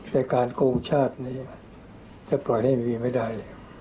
การโกงชาตินี้จะปล่อยให้มีไม่ได้